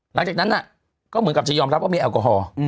หลังจากนั้นก็เหมือนกับจะยอมรับว่ามีแอลกอฮอล์